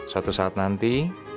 suatu saat nanti